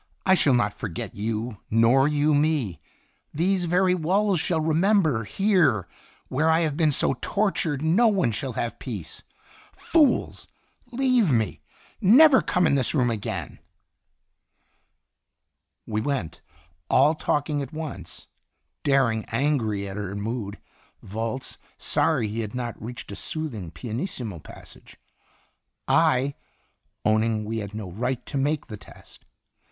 I shall not forget you, nor you me. These very walls shall remember here, where I have been so tortured no one shall have peace ! Fools ! Leave me ! Never come in this room again !" We went, all talking at once, Dering angry 8 Qitt Itinerant at her mood; Volz, sorry he had not reached a soothing pianissimo passage; I, owning we had no right to make the test.